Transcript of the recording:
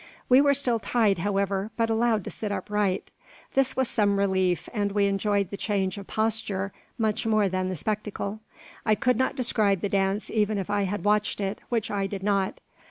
We were still tied, however, but allowed to sit upright. This was some relief, and we enjoyed the change of posture much more than the spectacle. I could not describe the dance even if I had watched it, which I did not.